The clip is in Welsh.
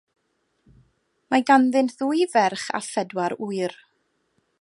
Mae ganddynt ddwy ferch a phedwar ŵyr.